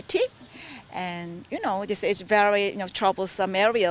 dan anda tahu ini adalah kawasan yang sangat berbahaya